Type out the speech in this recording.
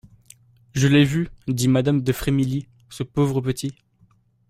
Je l'ai vu, dit madame de Frémilly, ce pauvre petit.